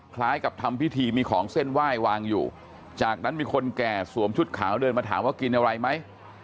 คล้ายกับทำพิธีมีของเส้นไหว้วางอยู่จากนั้นมีคนแก่สวมชุดขาวเดินมาถามว่ากินอะไรไหม